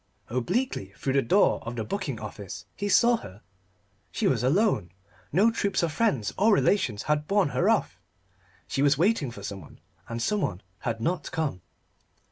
Obliquely through the door of the booking office he saw her. She was alone. No troops of friends or relations had borne her off. She was waiting for someone; and someone had not come.